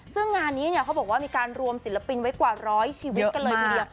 ซึ่งงานนี้เขาบอกว่ามีการรวมศิลปินไว้กว่าร้อยชีวิตกันเลย